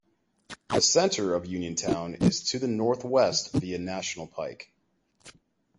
The center of Uniontown is to the northwest via National Pike.